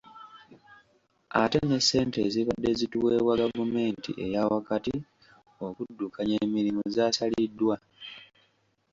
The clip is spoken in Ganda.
Ate ne ssente ezibadde zituweebwa gavumenti eyaawakati okuddukanya emirimu zaasaliddwa.